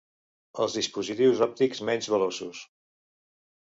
Els dispositius òptics menys veloços.